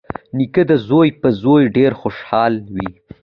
نیکه د زوی په زوی ډېر خوشحال وي.